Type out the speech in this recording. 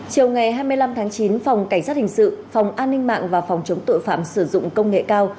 chiều ngày hai mươi năm tháng chín phòng cảnh sát hình sự phòng an ninh mạng và phòng chống tội phạm sử dụng công nghệ cao